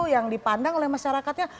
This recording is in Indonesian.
yang dipandang oleh masyarakatnya